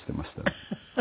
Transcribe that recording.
フフフフ！